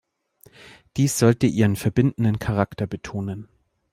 Dies sollte ihren verbindenden Charakter betonen.